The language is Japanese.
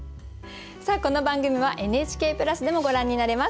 さあこの番組はＮＨＫプラスでもご覧になれます。